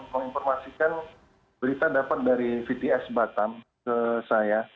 mau informasikan berita dapat dari vts batam ke saya